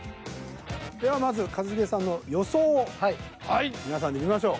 ではまず一茂さんの予想を皆さんで見ましょう。